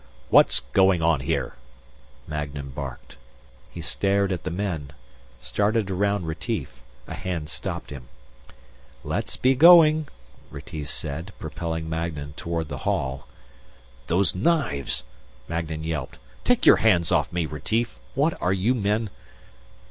"What's going on here?" Magnan barked. He stared at the men, started around Retief. A hand stopped him. "Let's be going," Retief said, propelling Magnan toward the hall. "Those knives!" Magnan yelped. "Take your hands off me, Retief! What are you men